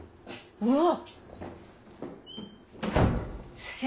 うわっ。